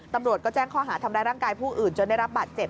ตำรวจก็แจ้งข้อหาทำร้ายร่างกายผู้อื่นจนได้รับบาดเจ็บ